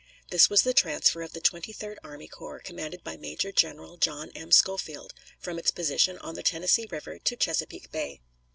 This was the transfer of the Twenty third Army Corps, commanded by Major General John M. Schofield, from its position on the Tennessee River to Chesapeake Bay.